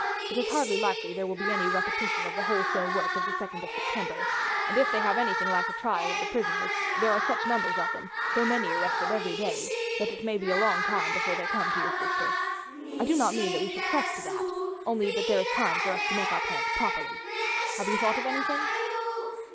It is hardly likely there will be any repetition of the wholesale work of the 2nd of September; and if they have anything like a trial of the prisoners, there are such numbers of them, so many arrested every day, that it may be a long time before they come to your sister. I do not mean that we should trust to that, only that there is time for us to make our plans properly. Have you thought of anything?"